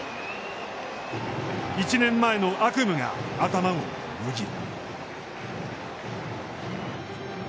１年前の悪夢が頭をよぎる。